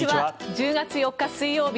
１０月４日、水曜日